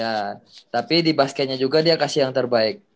ya tapi di basketnya juga dia kasih yang terbaik